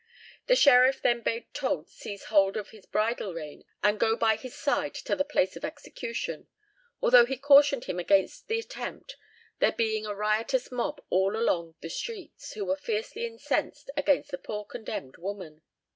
The sheriff then bade Told seize hold of his bridle rein, and go by his side to the place of execution; although he cautioned him against the attempt, there being a riotous mob all along the streets, who were fiercely incensed against the poor condemned woman.